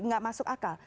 gak masuk akal